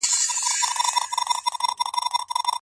په ژوند کي خيرونه او ګټي څنګه شامليږي؟